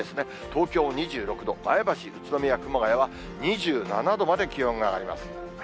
東京２６度、前橋、宇都宮、熊谷は２７度まで気温が上がります。